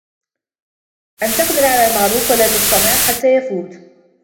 أَنْ تَقْدِرَ عَلَى الْمَعْرُوفِ وَلَا تَصْطَنِعُهُ حَتَّى يَفُوتَ